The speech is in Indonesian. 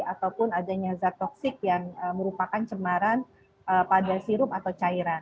ataupun adanya zat toksik yang merupakan cemaran pada sirup atau cairan